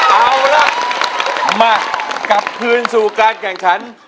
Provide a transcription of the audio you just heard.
เอาล่ะมากลับคืนสู่การแข่งขัน